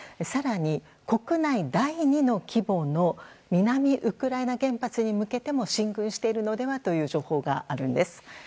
更に、国内第２の規模の南ウクライナ原発に向けても進軍しているのではという情報があるんです。